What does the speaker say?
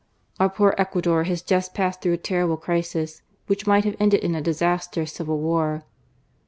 Our poor Ecuador has just passed through a terrible crisis, which might have ended in a disastrous civil war."